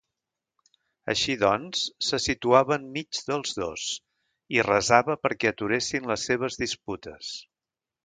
Així doncs, se situava enmig dels dos i resava perquè aturessin les seves disputes.